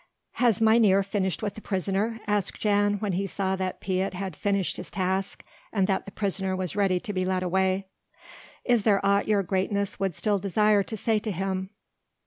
"Has mynheer finished with the prisoner," asked Jan when he saw that Piet had finished his task and that the prisoner was ready to be led away. "Is there aught your greatness would still desire to say to him?"